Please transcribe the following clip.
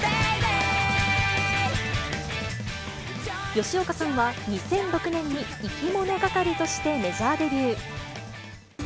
吉岡さんは２００６年にいきものがかりとしてメジャーデビュー。